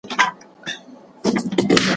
بې جرأته سړی په ټولنه کي ډیر کړاو ویني.